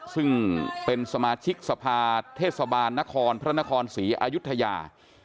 ซึ่งเป็นสมาชิกสภาเทศบาลนครพระนครศรีอายุทยา